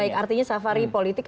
baik artinya safari politik